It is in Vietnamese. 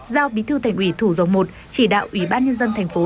giao bí thư tỉnh ủy thủ dòng một chỉ đạo ủy ban nhân dân thành phố